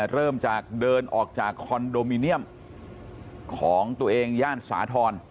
เริ่มจากเดินออกจากคอนโดมิเนียมของตัวเองย่านสาธรณ์